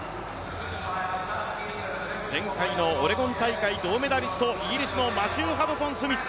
前回のオレゴン大会銅メダリスト、イギリスのマシュー・ハドソンスミス。